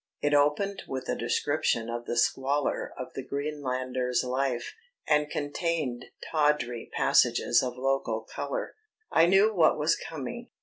It opened with a description of the squalor of the Greenlander's life, and contained tawdry passages of local colour. I knew what was coming.